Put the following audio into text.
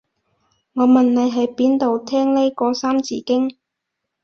我問你喺邊度聽呢個三字經